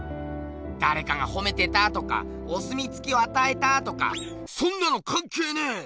だれかがほめてたとかお墨付きを与えたとかそんなのカンケーねえ！